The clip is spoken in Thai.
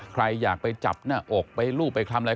ใครอยากไปจับหน้าอกไปรูปไปทำอะไร